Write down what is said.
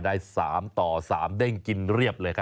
ได้๓ต่อ๓เด้งกินเรียบเลยครับ